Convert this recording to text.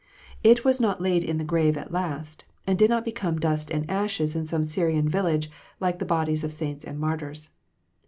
It was not laid in the grave at last, and did not become dust and ashes in some Syrian village, like the bodies of saints and martyrs.